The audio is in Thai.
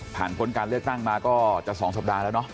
พ้นการเลือกตั้งมาก็จะ๒สัปดาห์แล้วเนาะ